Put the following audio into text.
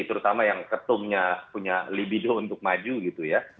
terutama yang ketumnya punya libido untuk maju gitu ya